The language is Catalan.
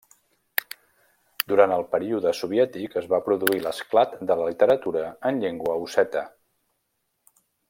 Durant el període soviètic es va produir l'esclat de la literatura en llengua osseta.